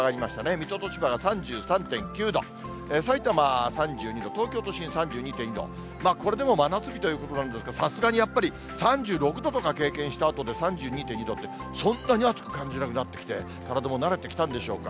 水戸と千葉が３３．９度、さいたまは３２度、東京都心３２．２度、これでも真夏日ということなんですが、さすがにやっぱり３６度とか経験したあとで、３２．２度って、そんなに暑く感じなくなってきて、体も慣れてきたんでしょうか。